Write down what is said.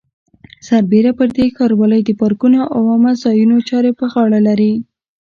سربېره پر دې ښاروالۍ د پارکونو او عامه ځایونو چارې په غاړه لري.